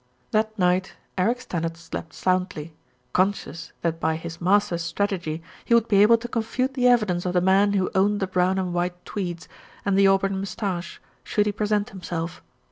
That night Eric Stannard slept soundly, conscious that by his master strategy he would be able to confute the evidence of the man who owned the brown and white tweeds and the auburn moustache should he present himself.